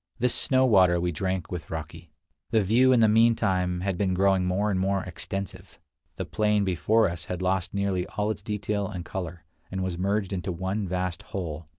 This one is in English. This snow water we drank with raki. The view in the mean time had been growing more and more extensive. The plain before us had lost nearly all its detail and color, and was merged into one vast whole.